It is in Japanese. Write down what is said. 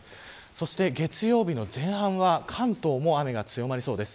そして、月曜日の前半は関東も雨が強まりそうです。